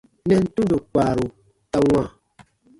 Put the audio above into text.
Nɛn tundo kpaaru ta wãa.